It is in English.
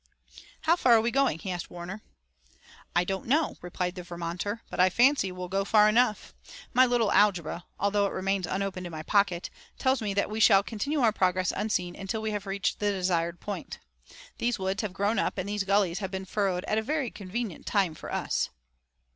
"How far are we going?" he asked Warner. "I don't know," replied the Vermonter, "but I fancy we'll go far enough. My little algebra, although it remains unopened in my pocket, tells me that we shall continue our progress unseen until we reach the desired point. These woods have grown up and these gullies have been furrowed at a very convenient time for us."